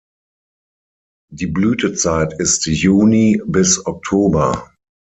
Die Blütezeit ist Juni bis Oktober.